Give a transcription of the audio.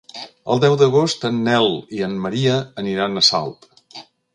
El deu d'agost en Nel i en Maria aniran a Salt.